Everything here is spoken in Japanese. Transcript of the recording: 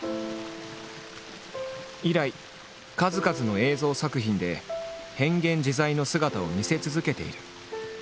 以来数々の映像作品で変幻自在の姿を見せ続けている。